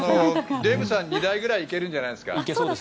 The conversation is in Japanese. デーブさん、２台ぐらい行けるんじゃないですか？